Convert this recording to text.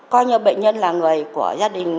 coi như bệnh nhân là người của gia đình